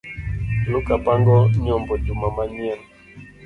Luka pango nyombo juma ma nyien